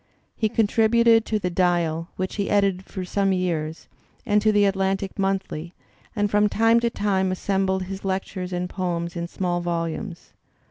He contributed to the Died, which he edited for some years, and to the Atlantic Monthly y and from time to time assembled his lectures and poems in small volumes.